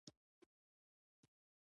سندره د زړه پټ رازونه وایي